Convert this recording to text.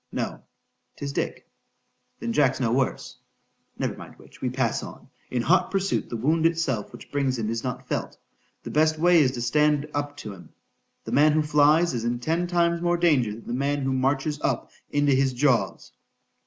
—No—'tis Dick. Then Jack's no worse.—Never mind which,—we pass on,—in hot pursuit the wound itself which brings him is not felt,—the best way is to stand up to him,—the man who flies, is in ten times more danger than the man who marches up into his jaws.